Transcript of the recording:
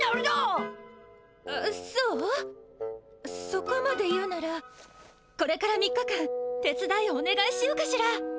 そこまで言うならこれから３日間てつだいをおねがいしようかしら。